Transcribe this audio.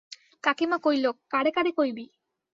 কাকীমা কইল, কারে কারে কইবি?